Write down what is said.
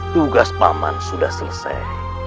tugas paman sudah selesai